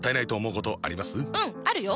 うんあるよ！